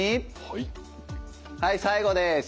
はい最後です。